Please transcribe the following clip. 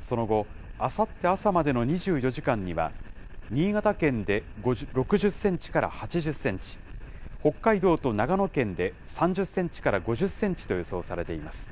その後、あさって朝までの２４時間には、新潟県で６０センチから８０センチ、北海道と長野県で３０センチから５０センチと予想されています。